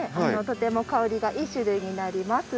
とても香りがいい種類になります。